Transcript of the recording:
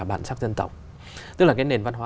bản sắc dân tộc tức là nền văn hóa